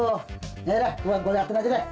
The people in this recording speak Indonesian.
ya udah gua liatin aja deh